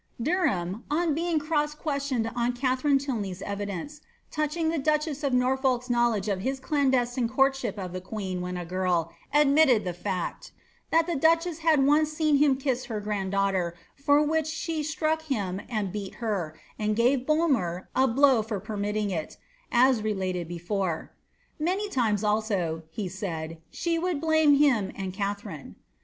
Derham, on being cross questioned on Katharine Tylney'k evidence} touching the duchess of Norfolk's knowledge of his clandestine coon ship of the queen when a girl, admitted the fact, ^ that the dnchess had once seen him kiss her grand daughter, for which she struck him and beat her, and gave Bulmer a blow for permitting it," as related before. ^ Many times also," he said, ^^ she would blame him and Katharine.